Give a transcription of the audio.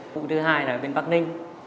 vụ thứ hai là ở bên bắc ninh